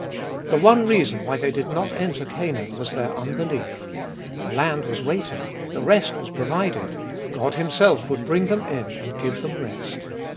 The one reason why they did not enter Canaan was their unbelief. The land was waiting: the rest was provided ; God Himself would bring them in and give them rest.